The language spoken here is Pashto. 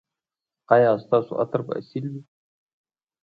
ایا ستاسو عطر به اصیل وي؟